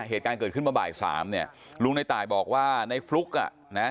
เหตุการณ์เกิดขึ้นมาบ่ายสามเนี่ยลุงในตายบอกว่าในฟลุ๊กอ่ะนะ